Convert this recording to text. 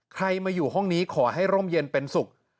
ใครมาอยู่ห้องนี้ขอให้ร่มเย็นเป็นสุข